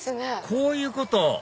こういうこと！